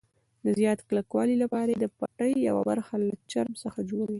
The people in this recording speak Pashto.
د زیات کلکوالي لپاره یې د پټۍ یوه برخه له چرم څخه جوړوي.